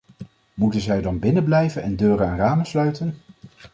Moeten zij dan binnen blijven en deuren en ramen sluiten.